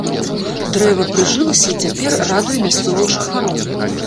Дрэва прыжылася і цяпер радуе мясцовых жыхароў.